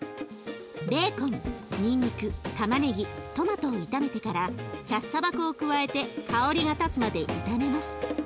ベーコンにんにくたまねぎトマトを炒めてからキャッサバ粉を加えて香りがたつまで炒めます。